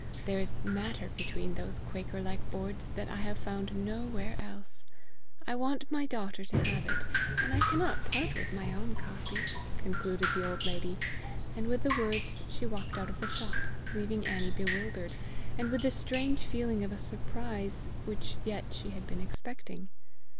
There is matter between those Quaker like boards that I have found nowhere else. I want my daughter to have it, and I cannot part with my own copy," concluded the old lady, and with the words she walked out of the shop, leaving Annie bewildered, and with the strange feeling of a surprise, which yet she had been expecting.